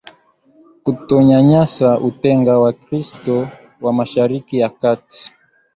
kutonyanyasa utenga wakristo wa mashariki ya kati